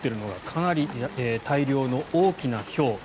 かなり大量の大きなひょう。